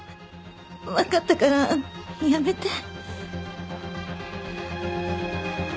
わかったからやめて。